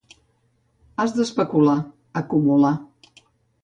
Has d'especular, acumular.